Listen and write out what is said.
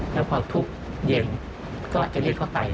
แล้วพอทุกเย็นก็จะเรียกเขาไป